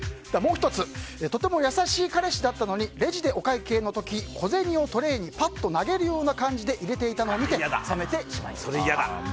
もう１つとても優しい彼氏だったのにレジでお会計の時、小銭をトレーにぱっと投げるように入れていたのを見て冷めてしまいました。